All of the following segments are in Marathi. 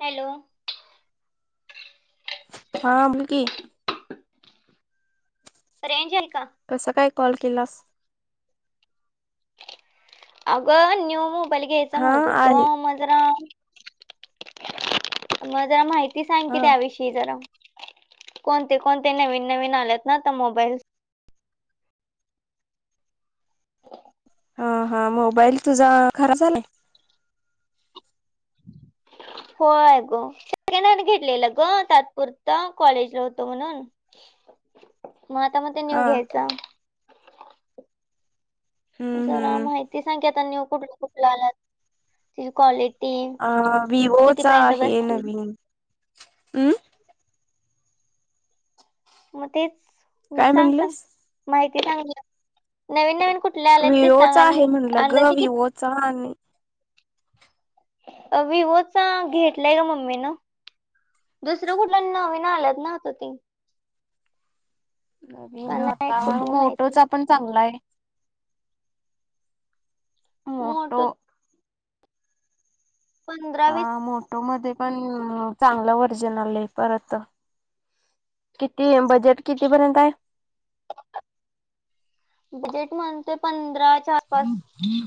हॅलो हा बोलकी. रेंज आहे का? कसं काय कॉल केलास? अगं न्यू मोबाईल घ्यायचा हा म्हणत हुतो आहे म जरा मग जरा माहिती सांग हा कि त्याविषयी. ह जरा कोणते कोणते नवीन नवीन आलेत ना मोबाईल. हा हा मोबाईल तुझा खराब झालाय? होय ग सेकंड हँड घेतलेलं ग तात्पुरत कॉलेजला होतो म्हणून. [inaudible] मग आता मग ते न्यू हा घ्यायचं. हम्म जरा हम्म माहिती सांग कि आता न्यू कुठलं कुठलं आला त क्वालिटी अ विवोचा कितीपर्यंत आहे बसतील नवीन. हम्म? मग तेच काय सांग सांग, म्हणलेस माहिती सांग नवीन नवीन कुठ कुठल्या आले ते सांगा विवोचा आहे आणि म्हणलं ग अंदाजे कि विवोचा आणि अ विवोचा घेतलाय ग मम्मी न. दुसरं कुठलं नवीन आल्यात ना आता ते? का नवीन आता नाहीत मग कुठलं माहिती मोटोचा पण चांगला आहे. मोटो मोठं पंधरा वीस हा मोटो मध्ये पण चांगलं व्हर्जन आलंय परत. किती बजेट कितीपर्यंत आहे? बजेट म्हणते पंधराच्या आस पास हम् [unintelligible]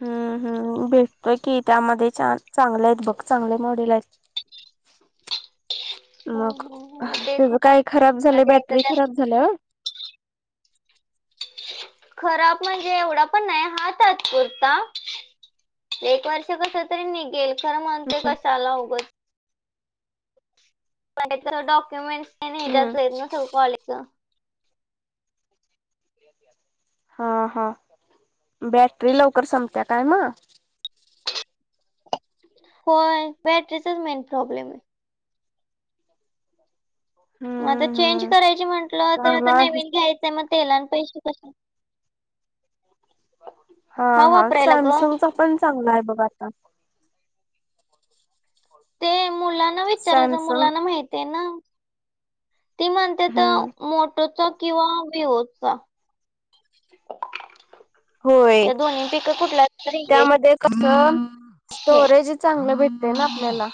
हम्म हम्म भेटतोय की त्यामध्ये चार चांगले आहेत बघ, चांगले मॉडेल आहेत. हम्म, मग हम्म. मग तेच त्याच काय म्हटलं खराब झालंय, घ्यायचं बॅटरी त्यात. खराब झाल्या होय? खराब म्हणजे एवढा पण नाही, आहे तात्पुरता. एक वर्ष कस तरी निघेल खरं म्हणतोय कशाला उगच काही तर डॉक्युमेंट्स नाही नाही हम्म. जात आहेत ना सगळं कॉलेज [unintelligible] [unintelligible] [inaudible] हा हा, बॅटरी लवकर संपत्या काय मग? होय बॅटरीचाच मेन प्रॉब्लेम आहे. मग आता हम्म चेंज हम्म. करायची म्हंटलं, तर आता चांगला आहे नवीन घ्यायचंय मग तेला आणि पैसे कसे. हा हा, वापरायला ग सॅमसंगचा पण चांगला आहे बघ आता. ते मुलांना विचारलं तर सॅमसंग मुलांना माहिती आहे ना. ती म्हणते त हम्म मोटोचा किंवा विवो चा होय त्या दोनपैकी कुठला तरी एक. कस? घे स्टोरेज चांगलं भेटते ना आपल्याला.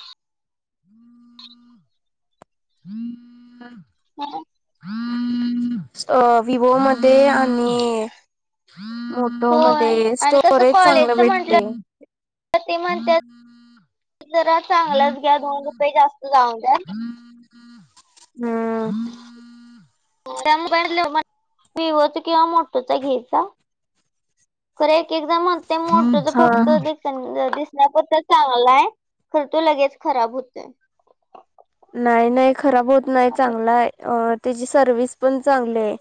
[unintelligible] हो [unintelligible] अ विवोमध्ये आणि मोटो होय मध्ये आणि कसं स्टोरेज चांगलं कॉलेजच म्हंटलं भेटते. ते म्हणतात जरा चांगलाच घ्या, दोन रुपये जास्त जाऊन द्या. हम्म. त्या [unintelligible] मोबाईल विवोचा किंवा मोटोचा घ्यायचा. खरं एक एक जण म्हणतय मोटोच हा. फक्त डिस प दिसण्यापुरत चांगला आहे तर तो लगेच खराब होतोय. नाही नाही खराब होत नाही चांगला आहे, त्याची सर्विस पण चांगली आहे.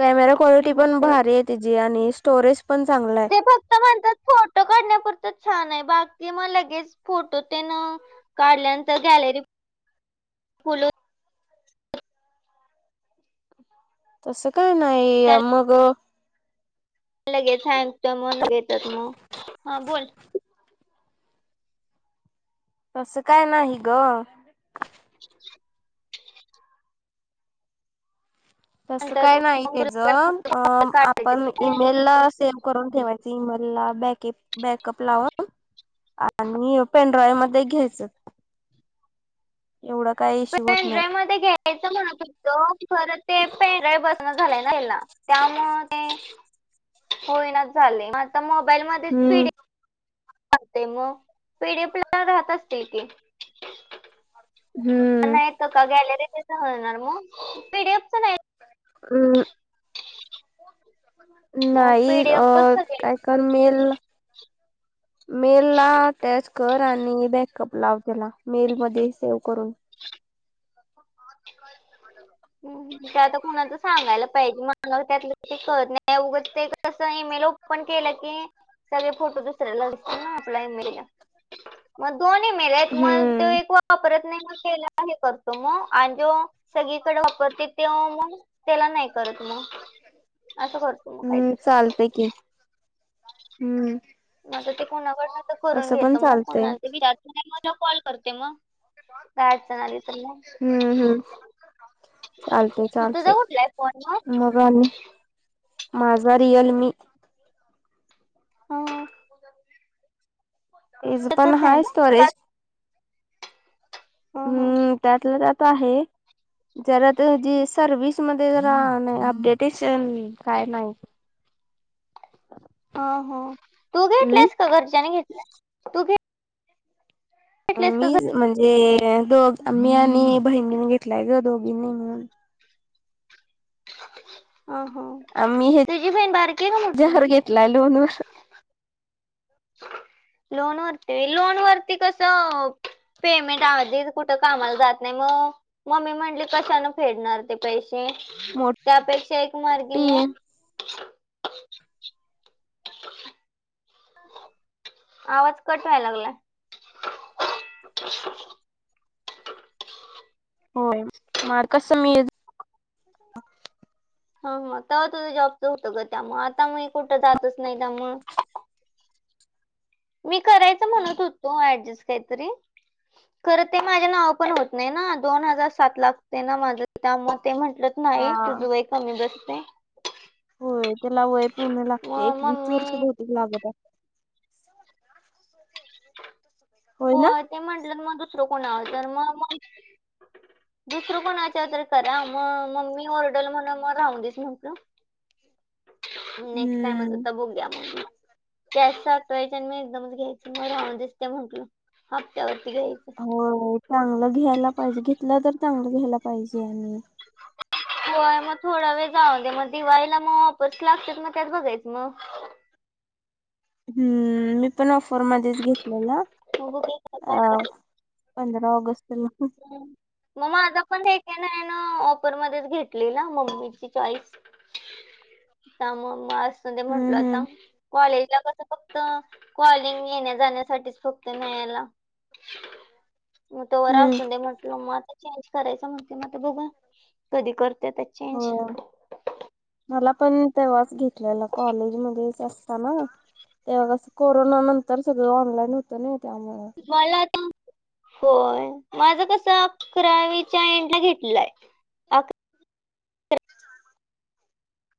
कॅमेरा क्वालिटी मग पण ते भारी आहे तिची आणि स्टोरेज पण चांगला आहे. ते फक्त म्हणतात फोटो काढण्यापुरत छान आहे. बाकी मग लगेच फोटो त्यान... काढल्यानंतर गॅलरी...... फुलून. तसं काय नाही आणि मग. लगेच ह्यांचं मन घेतात मग, हा बोल. तसं काय नाही ग. [unintelligible] तस नंतर काय नाही.. मग त्याच तुला काय अ... काढायचे आपण ईमेल ला सेव करून ठेवायची इमेलला बॅकेप-बॅकअप ला अ आणि यो पेनड्राईव्ह मध्ये घ्यायचं. एवढा काय इश्यू होत नाही. याच म्हण फक्त, खरं ते पेराळ बसण झालंय ना ह्याना. त्यामुळ ते... होईना झालय आता मोबाईल मध्ये पि. Hmm D. एफ. ते मग पीडीएफला राहत असतील की. हम्म. गॅलरीत पण हलणार मग पिडीएफ पण आहे [unintelligible] हं. मग नाही पीडीएफच अ... काय सगळ्याची कर मेल [inaudible] मेलला टॅच कर आणि बॅकअप लाव त्याला मेलमध्ये सेव करून. हम्म ठीके. ते आता कुणाच तरी सांगायला पाहिजे त्यातल काहीच कळतं नाय उगाच त्याच कस ई मेल ओपन केलं की, सगळे फोटो दुसऱ्याला [unintelligible] दिसतात ना आपल्या ई-मेलला मग दोन्ही ई मेल आहेत, मग तो हम्म. एक वापरत नाही मग केला हे बघ मंग अंजु सगळीकडे वापरते तों.. त्याला नाही करत मग.. असं करतो मग हम्म काहीतरी चालतंय की हम्म. मग आता ते कोणाकडन तर करून तसं घेत पण मग, चालतंय कोणाल तरी विचारत मला कॉल करते मग. काय अडचण आली तर मग [unintelligible] हम्म हम्म चालते तुझा चालते कुठला आहे फोन मग काय आणि. माझा रिअलमी हो. याच पण सतत आहे हाय ना का स्टोरेज. हं, हं. हम्म त्यातलं त्यात आहे, जरा तर जी सर्विस. आतमध्ये जरा अपडेटेशन काय नाही. ह.. तू हम्म. घेतलायस का घरच्यांने घेतलं.. घेतल्यास का घर मी म्हणजे दोघ मी आणि बहिणीनी घेतलाय ग, दोघींनी मिळून. अ ह तुझी बहीण बारकी आहे का मोठी आहे? लाई लोन वर लोन वरती लोन वरती कसं. पेमेंट आधीच कुठं कामाला जात नाही मग, मम्मी म्हटली कशानं फेडणार? ते पैसे, मोठ त्यापेक्षा एक मार्गी टी मग. [inaudible] आवाज कट व्हाय लागलाय. [inaudible] होय मार्क मी हा हा तवा तुझं जॉबचं होतं ग त्यामुळे आता मी कुठं जातच नाही त्यामुळं. मी करायच हम्म. म्हणत होतो ॲडजस्ट काहीतरी. खरं ते माझे नाव पण होत नाही ना, दोन हजार सात लागते ना माझ त्यामुळे ते म्हंटल. हा नाही, तुझ वय कमी बसय. होय त्याला वय पूर्ण लागते मग एक वीस मम्मी वर्ष बहुते लागलं. हो ते म्हटलं मग दुसरं कोणा तर मग -म दुसरं कोणाच्या तरी करा मग म मम्मी ओरडल मग म्हणुन मग राहून देस म्हटलं. नेक्स्ट टाइम हम्म. आता बघुया म्हंटलं, कॅश साठवायची आणि मी एकदमच घ्यायचं. [unintelligible] म्हंटलं हप्त्यावरती घ्यायचं. हो चांगलं घ्यायला पाहिजे घेतलं तर चांगलं घ्यायला पाहिजे आणि. होय मग थोडा वेळ जाऊन दे मग दिवाळीला मग ऑफर्स लागतेच मग त्यात बघायचं मग. हम्म म. मी पण ऑफर मध्येच घेतलेला मग बघूया अ काय काय पंधरा ऑगस्टला. म माझा पण हे ना ऑफर मध्येच घेतलेला मम्मीची चॉईस. त्यामुळे मग असू दे म्हंटलोआता हम्म कॉलेजला कस फक्त कॉल [unintelligible] येण्या जाण्यासाठीच फक्ते न्यायला. मग तो वर हम्म असून दे म्हटल मग आता चेंज करायच म्हणते मग बघा कधी करते ते. चेंज. हो मला पण तेव्हाच घेतलेलं कॉलेजमध्येच ना त्यावेळेस कोरोना नंतर सगळं ऑनलाईन होतं ना त्यामुळ. मला आता होय माझं कस अकरावीच्या एंडला घेतलंय.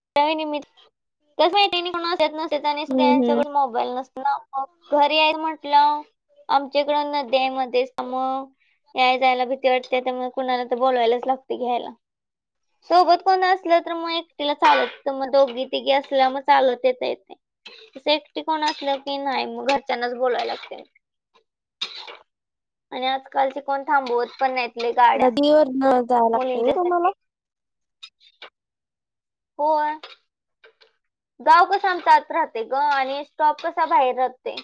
[unintelligible] त्या कस माहीते मी कोणाला देत नसते त्यांनी हम्म हम्म सगळ्यांच्याकड मो ईल नस म घरीया म्हंटलं आमच्या कडे नदी मध्ये त्यामुळ. याय जायला भीती वाटते त्यामुळे कुणाला ते बोलवायला लागते घ्यायला. सोबत कोण असलं तर मग एकटीला चालत मग दोघी तिघी असल्या मग चालत येता येत. अस एकटी कोण असलं की नाही मग घरच्यांनाच बोलाय लागतं. आणि आजकालचे कोण थांबवत पण नाहीत. आपल्या गाड्या नदीवर न जावं लागते मुलींच्या तुम्हाला साठी. होय. गाव कसं आमचा राहते ग आणि स्टॉप कसा बाहेर राहते.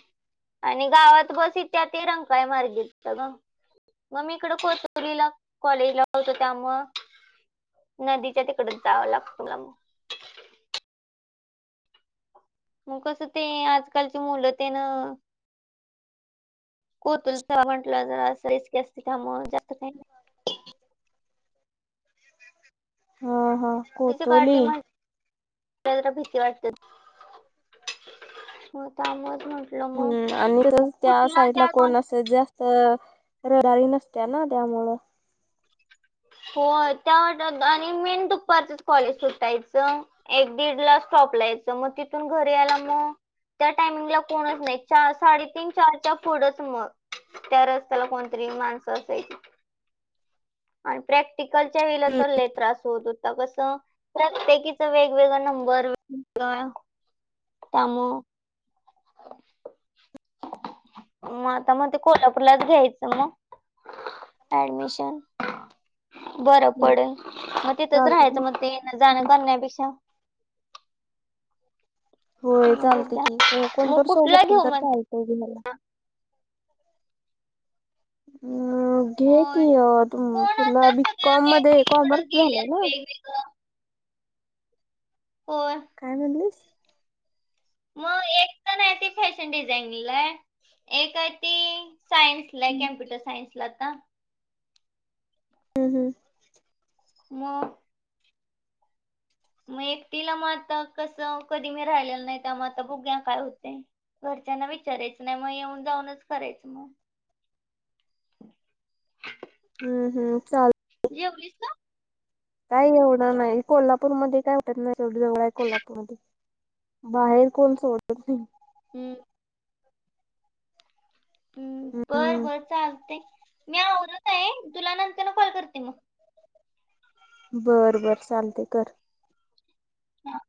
आणि गावात बस येतेय ती रंकाल्या मार्गी येत्या गं. मग मी इकडं कोथोवडीला कॉलेज ला होतो त्यामुळ. नदीच्या तिकडच जावं लागत मला मग. मग कसं ते आजकालची मुलं तेनं. कोतुल म्हटलं ज असच जास्ती थांब जास्त काही नाही. हां हां. तिची कार्टी मग भीती वाटते हो त्यामुळच म्हंटल. हम्म आणि त्या साइड ला दोन कोण अस जास्त तर रडारी नसत्या ना त्यामुळं. हो त्या वा आणि मेन दुपारच कॉलेज सुटायचं. एक दीड ला स्टॉप लायचं मग तिथून घरी यायला मग त्या टायमिंगला कोणच नाही चार साडेतीन चारच्या पुढंच मग. त्या रस्त्याला कोणतरी माणसं असायची. आणि प्रॅक्टिकलच्या वेळे तर लय त्रास होत होता कसं प्रत्येकीच वेगवेगळ नंबर व त्यामुळ [inaudible] मग आता म्हणते कोल्हापूरलाच घ्यायचं मग. ॲडमिशन? बरं पडल मग तिथंच राहायचं चालते मग ते येण जाणं करण्यापेक्षा. होय मग चालतंय बघूया की, कोण मग तर कुठला सोबत असल घेऊ तर म्हणते चालतंय की मला. अम घे होय कि ती कोण तुला आता सगळ्या बीकॉम मध्ये वेगवेगळीकडे कॉमर्स झालंय गेल्यात ना? [unintelligible] होय. काय म्हणलीस? मग एक तर हाय ते फॅशन डिझाइनिंगला एक आहे ती. सायन्सला आहे कमप्यूटर सायन्सला आता. हं हं. मग. मग एकटीला मग आता कसं कधी मी राहिलेलं नाही त्या म आता बघुया काय होते. घरच्यांना विचारायचं नाही, मग येऊन जाऊनच करायचं मग. हम्म हम्म चाल जेवलीस का? काही एवढं नाही कोल्हापूरमध्ये काय वाटत नाही, एवढं जवळं आहे कोल्हापूरमध्ये. बाहेर कोण सोडत नई. हम्म. हम्म बर हम्म बरं चालते, मी आवरत आहे तुला नंतरन कॉल करते मग. बर बर चालते कर. हा.